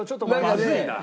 まずいな。